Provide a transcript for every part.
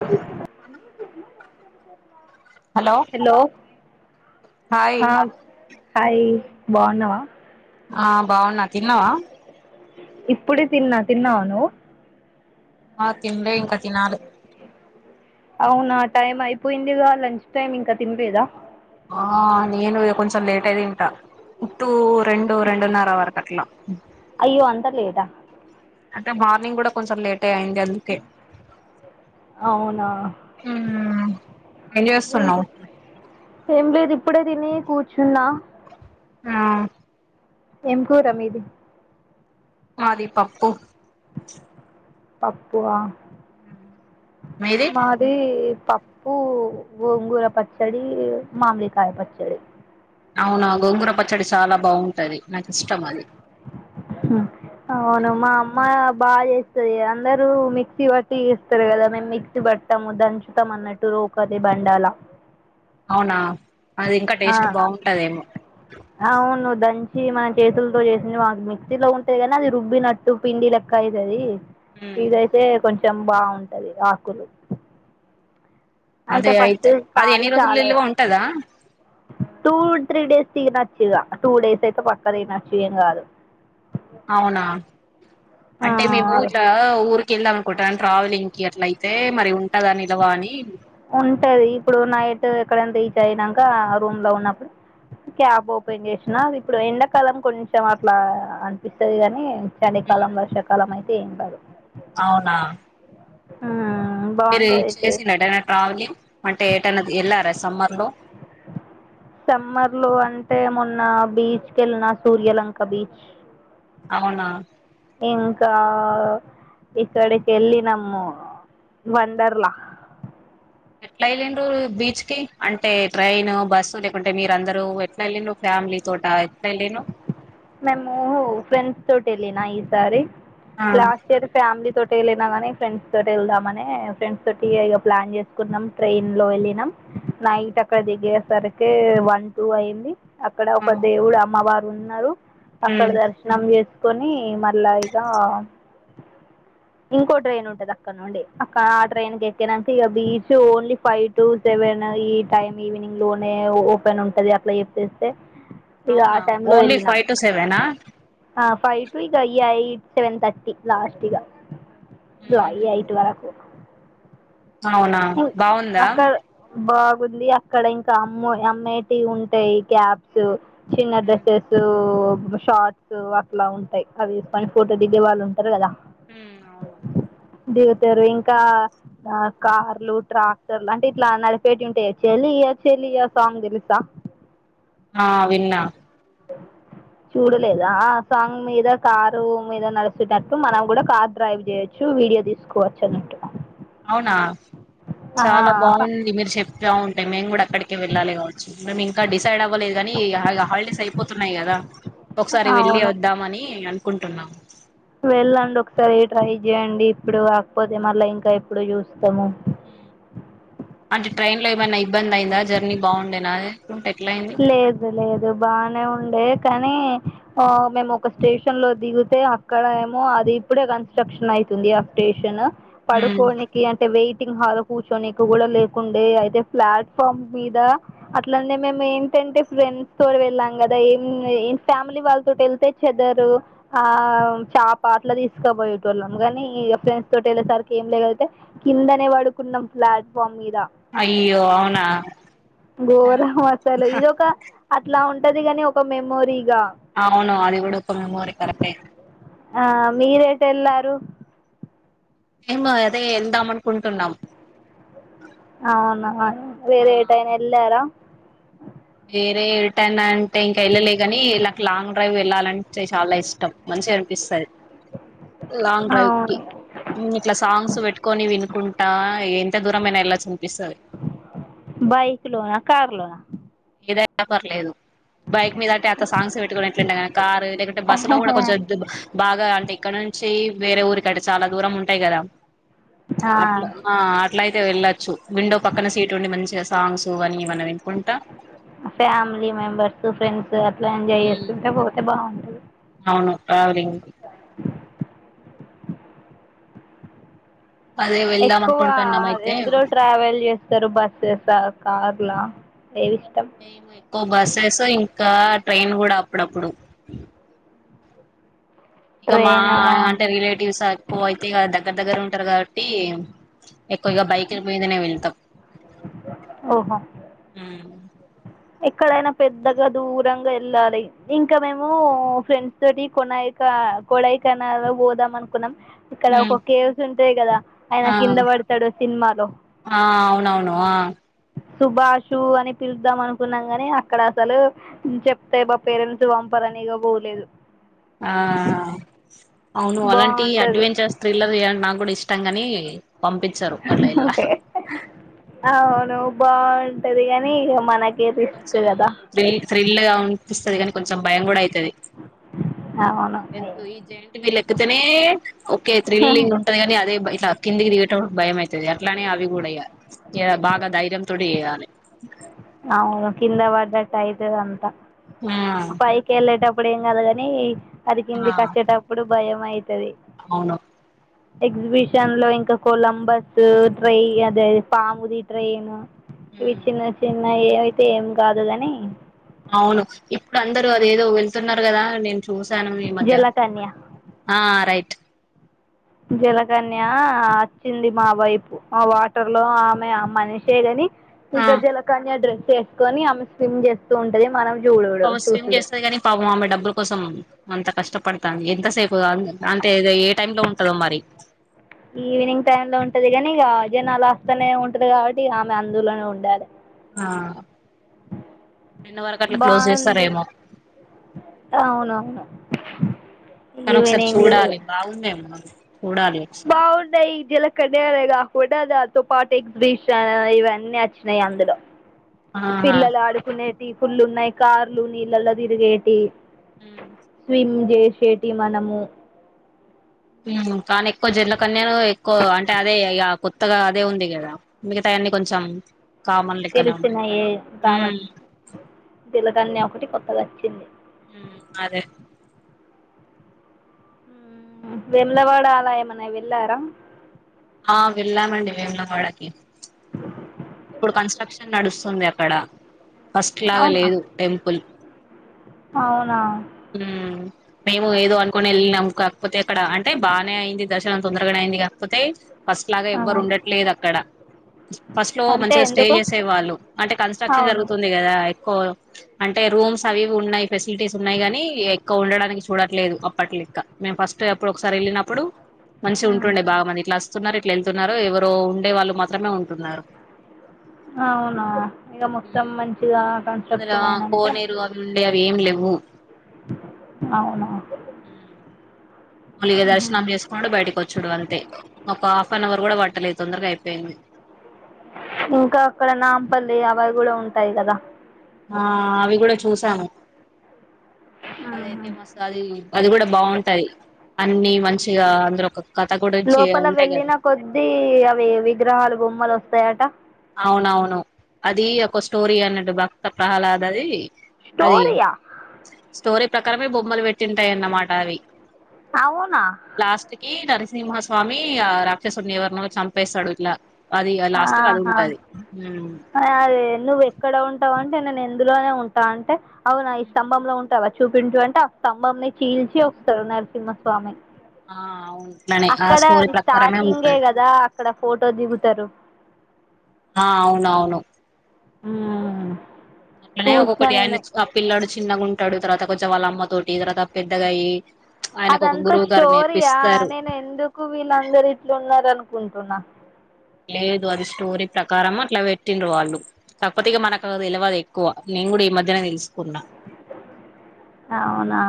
బ hello hello, hi హా, hi బావున్నవా. ఆ బావున్నా, తిన్నావా. ఇప్పుడే తిన్నా, తిన్నావా నువ్. ఆ తిన్లే ఇంకా తినాలే. అవునా టైం అయిపోయిందిగా లంచ్ టైమ్, ఇంకా తిన్లేదా. ఆ నేను ఇగా కొంచెం లేటే దింటా. టు, రెండు రెండున్నర వరకట్లా. అయ్యో అంతా లేటా. అంటే మార్నింగ్ గుడా కొంచెం లేట్ అయింది అందుకే. అవునా ఉమ్మ్ ఏం జేస్తున్నావ్. ఏంలేదు ఇప్పుడే తిని కూర్చున్నా. ఆ ఏంకూర మీది. మాది పప్పు పప్పు ఆ మీది మాద్ ది పప్పు, గోంగూర పచ్చడి, మామిడికాయ పచ్చడి. అవునా గోంగూర పచ్చడి చాలా బాగుంటది, నాకు ఇష్టం అది. హుమ్ అవును మామ్ మా బాగా చేస్తది, అందరూ మిక్సీ బట్టి చేస్తారు కదా, మేము మిక్సీ పట్టాము దంచుతాం అన్నట్టు. రోకలీ బండాలా అవునా, అది ఇంకా ఆ టేస్ట్ బావుంటదేమో. అవును దంచి మన చేతులతో చేసింది, మాక్ మిక్సీలో ఉంటది కానీ అది రుబ్బినట్ ట్టు పిండిలెక్క అయితది. మ్మ్ ఇదైతే కొంచెం బావుంటది ఆకులు. అంటే అదే ఫస్ట్ అయితే అది ఎన్ని రోజులు కాల్చాలే. నిల్వ ఉంటదా టూ, త్రీ డేస్ తినచ్చు ఇగా, టూ డేస్ అయితే పక్క తినచ్చు ఏం కాదు. అవునా, ఆ అంటే మేము ఇట్లా ఊరి కేళ్దాం కుటాన్ ట్రావెలింగ్ కి అట్ల అయితే మరి ఉంటదాని నిలవా అని. ఉంటది, ఇప్పుడు నైట్ ఎక్కడైనా రీచ్ అయినంక ఆ రూమ్ లో ఉన్నప్పుడు. క్యాబ్ ఓపెన్ జేసినా, అది ఇప్పుడు ఎండాకాలం కొంచెం అట్లా అనిపిస్తది గని, చలికాలం, వర్షాకాలం అయితే ఏం కాదు. అవునా హమ్మ్ మీరు ఈద్ చేసినర్రా ఎటైన ట్రావెలింగ్, అంటే ఏటైనా ఎళ్ళారా సమ్మర్ లో. సమ్మర్ లో అంటే, మొన్న బీచ్ కేళ్ళిన సూర్యలంక బీచ్. అవునా. ఇంకా ఇక్కడికి వెళ్ళినమ్ము వండార్లా ఎట్లా వెళ్ళిండ్ర బీచ్ కి అంటే ట్రైన్ బస్సు లేకుంటే మీరు అందరుూ ఎట్లా ఎళ్ళి్రు ఫ్యామిలీ తోట ఎట్లా ఎల్లిండ్రు మేము ఫ్రెండ్స్ తోటి వెళ్లిిన ఈసారి ఆ లాస్ట్ ఇయర్ ఫ్యామిలీ తోటి వెళ్ళినా కానీ ఫ్రెంస్ తో వెళ్దామని ఫ్రెంస్ తోటి ఇ ప్లాన్ చేస్తా న్నాం ట్రైన్ లో వెళ్ళినాం నైట్ అక్కడ దిగేసరికి వన్ టూ అయింది అక్కడ ఒక దేవుడు అమ్మవారు ఉన్నారు అక్కడ మ్మ్ దర్శం నం చేేసుకొని మళ్ళా ఇక ఇంకో ట్రైన్ ఉంటది అక్కడ నుండి అక్కడ ఆ ట్రైన్ క ఎక్కనాక ఇక beach only five two seven ఈ టైమ్ ఈవినింగ్ లోనే ఓపెన్ ఉంటది అట్లా చెప్పేస్తే ఇక ఆ అవునా ఓన్లీ ఫైవ్ టూ సెవెనా ఆ ఫైవ్ టు ఇ ఈయిట్ సెవెన్ తథర్టీ లాస్ట్ ఇగా లాయి ఎయిట్ వరకు అవునా బాగుందా అక్కడ బాగుంది అక్కడ ఇంకా అమ్మ అమ్మేటి ఉంటాయి క్యాబ్స్ చిన్న డ్రస్ షార్ట్స్ అట్లా ఉంటాయి అవి వేసుకొని ఫోటో దిగే వాళ్ళు ఉంటారు కదా ఉ అవును దిగుతారు ఇంకా ఆ కార్లు ట్రాక్టర్లు అంటే ఇట్లా నడిపేటి ఉంటాయా చెలియా చెలియ సాంగ్ తెలుసా ఆ విన్నా చూడలేదా ఆ సాంగ్ మీద కారు మీద నడుస్తున్నట్టు మనం కూడా కార్ డ్రైవ్ చేయొచ్చు చు వీడియో తీసుకోవచ్చు అన్నట్టు అవునా చాలా బాగుంది మీరు చెప్తా ఉంటేయి మేము కూడా అక్కడికి వెళ్ళాలి కావచ్చు మేము ఇంకా డిసైడ్ అవ్వలేదు గానీ హాలిడేస్ అయిపోతున్నాయి కదా ఒకసారి వెళ్ళి అవును వద్దామని అనుకుంటున్నాం వెళ్ళండి ఒకసారి ట్రై చేయండి ఇప్పుడు కాకపోతే మళ్ళా ఇంకా ఎప్పుడు చూస్తాము అంటే ట్రైన్ లో ఏమైనా ఇబ్బంది అయిందా జర్నీ బాగుండేనాకుంటే ఎట్లా అయింద లేదు లేదు బానే ఉండే కానీ ఆ మేము ఒక స్టేషన్ లో దిగితే అక్కడ ఏమో అది ఇప్పుడే కన్స్ట్రక్షన్ అయితుంది స్టేషన్ ఉమ్. పడుకోడానికి అ అతే వెయిటింగ్ హాల్ కూర్చొనికు కూడా లేకుండే అయితే ప్లాట్ఫామ్ మీద అట్లనే మేంమే ఏంటంటే ఫ్రెండ్స్ తో వెళ్ళాం కదా ఏం ఏ ఫ్యామిలీ వాళ్ళతోటి వెళ్తే చదరు ఆ చాపట్ల తీసుకపోయేటోళ్ళం కాని ఫ్రెండ్స్ తోటి ఎళ్ళేసరికి ఏం లేగతే కిందనే పడుకున్నాం ప్లాట్ఫామ్ మీద అయ్యో అవునా ఘోరం అసలు ఇదొక అట్లా ఉంటదిని ఒక మెమోరీగా అవును అది కూడా ఒక మెమోరి కరెక్టే ఆ మీరేటేళ్లారు మేము అదే ఎళ్దాం అనుకుంటున్నాం ఆవున్నా ఆ వేరేటైన ఎళ్లారా వేరే రిటైన్ అంటే ఇంకా వెళ్ళలే కాని ఇకి లాంగ్ డ్రైవ్ వెళ్ళాలంటే చాలా ఇష్టం మంచిగా అనిపిస్తుంది లాంగ్ డ్రైవ్కి అవును ఇట్లా సాంగ్స్ పెట్టుకొని వినుకుంటా ఎంత దూరమైనా ఎళ్ళచ్చు అనిపిస్తది బైక్ లోనా కార్ లోనా ఏదనా పర్లేదు బైక్ మీద టె త సాంగ్స్ కూడా పెట్టుకున్నట్లుండగానీ కారు లేకంటే బస్సు లో కూడా కొంచెం బాగా అంటే ఇక్కడ నుంచి వేరే ఊరి కంటే చాలా దూరం ఉంటాయి కదా అట్లా ఆ అట్లాయితే వెళ్ళొచ్చు విండో పక్కన సీట్ ఉండి మంచిగా సాంగ్స్ అన్నీ మన వినుకుంటా ఫ్యామిలీ మెంబర్స్ ఫ్రెండ్స్ అట్లా ఎంజాయ్ చేసుంటే పోతే బాగుంట అవును ట్రావెలింగ్ అదే వెళ్దాం ఎక్కువ అనుకుంటున్నాం అయితే ఎందులో ట్రావెల్ చేస్ బస్సెస కార్లా ఏవి ఇష్టం మేము ఎక్కువ బస్సెస్ ఇంకా ట్రైన్ కూడా అప్పుడప్పుడు ఇక మా ట్రైన్ అంటే రిలేటివ్స్ ఎక్కువ అయితే దగ్గర దగ్గర ఉంటారు కాబట్టి ఎక్కువగా బైక్ల మీదనే వెళతాం ఓహో ఉ ఎక్కడైనా పెద్దగా దూరంగా వెళ్ళాలి ఇంకా మేము ఫ్రెండ్స్ తోటి కొనాయిక కోడాయికెనాలు పోదాం అనుకున్నాం ఇక్కడ ఉమ్ ఒక కేవ్స్ ఉంటాయి కదా ఆయన ఆ కింద పడతాడు సినిమాలో ఆ అవునవును ఆ సుభాషు అని పిలుదాం అనుకున్నాం కని అక్కడ అసలు చెప్తే మా పేరెంట్స్ పంపారని ఇగా పోలేదు ఆ అవును అలాంటి బాగుంటుంది అడ్వెంచర్స్ త్రిల్లర్ చేయాలంటే నాకు కూడా ఇష్టంగాని అవును బాగుంటది కాని ఇక మనకి కొంచెం థ్రిల్ థ్రిల్ గా ఉనిపిస్తుంది కానీ కొంచెం భయం కూడా అయితది ఆ అవును ఎందుకో ఈ జెంట్ విల్ ఏక్ ఎకుతనే ఓకే త్రీల్లింగ్ ఉంటది కానీ అదే ఇట్లా కిందికి దిగేటపుడు భయంమయి అట్లనే అవి కూడా ఇగ బాగా ధైర్యంతోటి చేయాలి అవును కింద వడ్డటు అయితే అంత ఆ పైకి వెళ్ళేటప్పుడు ఏం కదుగాని అది ఆ కిందికచ్చేటప్పుడు భయం అయితది అవును ఎగ్జిబిషన్ లో ఇంకా కొలంబస్ ట్రై అదే పాముది ట్రైన్ ఇవి చిన్న చిన్న ఏ అయితే ఏం కాదు కాని అవును ఇప్పుడు అందరూ అదేదో వెళ్తున్నారు కదా నేను చూశాను మీ మధ్య జలకన్య ఆ రైట్ జలకన్య వచ్చింది మా వైపు మా వాటర్ లో ఆమె ఆ మనిషే గని ఆ ఇక జలకన్య డ్రెస్ ఏసుకొని ఆమె స్విమ్ చేస్తూ ఉంటది మనం చూడుడు పాపం స్విమ్ చూసుడు చేస్తది కాని పాపం ఆమె డబ్బుల కోసం అంత కష్టపడతాంది ఎంతసేపు కాదు అంటే ఏ టైమ్ లో ఉంటదో మరి ఈవినింగ్ టైమ్ లో ఉంటది కానీ ఇగ జనాలు వస్తనే ఉంటరు కాబట్టి ఆమె అందులోనే ఉండాలి ఆ టెన్ వరకు అట్లా క్లోజ్ బాగుంది చేస్తారేమో అవునవును కానీ ఒకసారి ఈవినింగ్ చూడాలి బాగుందేమో చూడాలే బాగున్ ఈ జల కన్యనే గాకుండా దాన్తో పాటు ఎగ్జిబిషన్ ఇవన్నీ అచ్చినయి అందులో ఆహా పిల్లలాడుకునేటియి ఫుల్లు ఉన్నయి కార్లు నీళ్ళల్లో దిరిగేటియ్ హ్మ్ స్విమ్ జేసేటియ్ మనము హ్మ్ కానీ ఎక్కువ జల కన్యను ఎక్కువ అంటే అదే ఇగా కొత్తగ అదే ఉంది కదా మిగతాయన్నీ కొంచెం కామన్ లెక్కనే ఉన్నాయి తెలిసినయే కావ ఉమ్ జల కన్య ఒకటి కొత్తగ అచ్చింది హ్మ్ అదే వెమ్లవాడ ఆలాయమేన్న వెళ్ళారా ఆ వెళ్ళామండి వేముల వాడకి పుడ్ కన్స్ట్రక్షన్ నడుస్తుంది అక్కడ ఫస్ట్ లాగా అవునా లేదు టెంపుల్ అవునా ఉమ్ ఏమో ఏదో అనుకుని ఎళ్ళినము కాకపోతే అక్కడ అంటే బానే అయింది దర్శనం తొందరగనే అయింది కాక్పోతే ఫస్ట్ లాగ ఎవ్వరు ఉండట్లేదక్కడ ఫస్ట్ కు అంటే మంచిగ స్టే ఎందుకు చేసే వాళ్ళు అంటే కన్స్ట్రక్షన్ అవును జరుగుతుంది గదా ఎక్కువ అంటే రూమ్స్ అవీ ఇవి ఉన్నాయి ఫెసిలిటీస్ ఉన్నాయి గనీ ఎక్కువ ఉండడానికి చూడట్లేదు అప్పట్ లెక్క మేము ఫస్ట్ ప్పుడోకసారి ఎళ్ళినప్పుడు మంచిగుంటుండే బాగ మరి ఇట్లాస్ స్తున్నరు ఇట్ల ఎళ్తున్నరు ఎవరో ఉండే వాళ్ళు మాత్రమే ఉంటున్నరు అవునా ఇగ మొత్తం హ్మ్ మంచిగా అందులో కన్స్ట్రక్షన్ ఆ అయినంక కోనేరు ఉండే అవి ఏం లేవు అవునా మల్లిగ మ్మ్. దర్శనం చేసుకునుడు బయటకొచ్చుడు అంతే ఒకా హాఫ్ అన్ అవర్ కూడ పట్టలేదు తొందరగ అయిపోయింది ఇంక అక్కడ నాంపల్లి అవయి గూడ ఉంటాయి గదా ఆ అవి గూడ చూసాము అదైతే మ్మ్. మస్ అదీ అది గుడా బాగుంటది అన్ని మంచిగా అందరొక్క లోపల వెళ్ళిన కొద్ది అవి విగ్రహాలు బొమ్మలొస్తయట అవునవును అదీ ఒక స్టోరీ అన్నట్టు భక్త ప్రహ్లాదది అది స్టోరీయా స్టోరీ ప్రకారమే బొమ్మలు పెట్టింటాయన్నమాట అవి అవునా లాస్ట్ కి నరసింహస్వామి ఆ రాక్షసుడిని ఎవర్నో చంపేస్తడు ఇట్లా అది ఇగ లాస్ట్ కి ఆహా అదుంటది అదే నువ్వు ఎక్కడ ఉంటావంటే నేను ఇందులోనే ఉంటా అంటే అవునా ఈ స్తంభంలో ఉంటవచ్ చూపించు అంటే ఆ స్తంభంన్ని చీల్చి వస్తడు నరసింహస్వామి ఆ అవును అట్లనే ఆ అక్కడ స్టోరీ అది ప్రకారమే స్టార్టింగే ఉంటది గదా అక్కడ ఫోటో దిగుతరు హా అవునవును ఉమ్ ఆనే ఒక్కొక్కటి ఆయనచి ఆ పిల్లాడు చిన్నగుంటడు తర్వాత కొంచం వాళమ్మ తోటి తర్వాత పెద్దగయ్యి అదంత స్టోరీయా నేను ఎందుకు వీళ్ళందరు ఇట్లున్నరనుకుంటున్నా లేదు అది స్టోరీ ప్రకారం అట్ల పెట్టిండ్రు వాళ్ళు కాక్పోతే ఇగ మనకు తెలవదు ఎక్కువ నేన్ గూడ ఈ మధ్యనే తెలుసు అవునా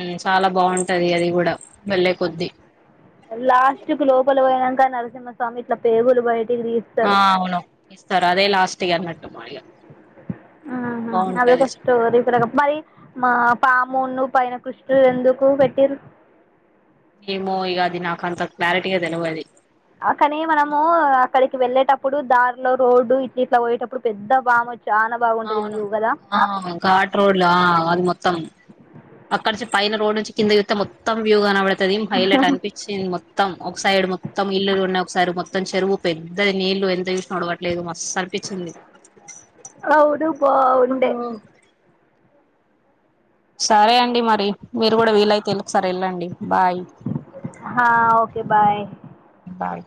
ఉమ్ చాలా బాగుంటది అది గూడ వెళ్లే కొద్ది లాస్ట్ కు లోపలి పోనాక నరసింహస్వామి ఇట్లా పేగులు బయటికి తీ ఆ అవును తీస్తారు అదే లాస్ట్ ఇ అన్నట్టు మాడిగా ఆహా బాగుంటుది అదొక స్టోరీ మరి మా పామున్ను పైన కృష్ణుడు ఎందుకు పెట్టిరు ఏమో ఇగ నాకంత క్లారిటీగా తెలవది కాని మనము అక్కడికి వెళ్ళేటప్పుడు దారిలో రోడ్డు ఇట్ ఇట్లా పోయేటప్పుడు పెద్ద బామ చాలా బాగుంటది అవును వ్యూ కదా ఘాట్ రోడ్లు అది మొత్తం అక్కడించి పైన రోడ్ నుంచి కిందితే మొత్తం వ్యూ కనబడుతుంది హైలైట్ అనిపించింది మొత్తం మొత్తం ఒక సైడ్ మొత్తం ఇల్లులు ఉన్నాయి ఒకసైడ్ మొత్తం మొత్తం చెరువు పెద్దది నీళ్లు ఎంత చూసిన ఒడవట్లేదు మస్తు అనిపించింది అవును బాగుంది సరే అండి మరి మీరు కూడా వీలైతే ఒకసారి వెళ్ళండి బాయ్ హా ఓకే బాయ్ బాయ్